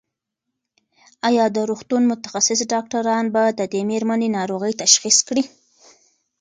ایا د روغتون متخصص ډاکټران به د دې مېرمنې ناروغي تشخیص کړي؟